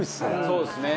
そうですね。